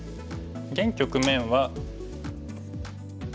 現局面は。